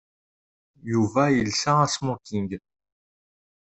Yuba yelsa asmoking.